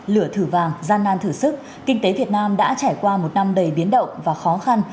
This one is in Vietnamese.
lửa thử vàng gian nan thử sức kinh tế việt nam đã trải qua một năm đầy biến động và khó khăn